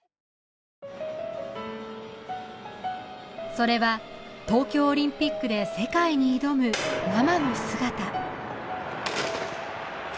それは東京オリンピックで世界に挑むママの姿